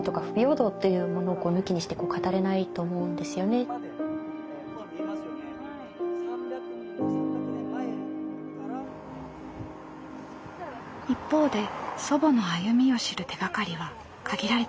一方で祖母の歩みを知る手がかりは限られていました。